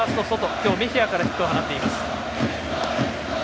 今日、メヒアからヒットを放っています。